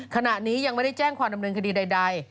ขณะนี้ยังไม่ได้แจ้งความดำเนินคดีใด